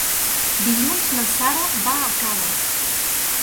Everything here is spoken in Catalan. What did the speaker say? Dilluns na Sara va a Cava.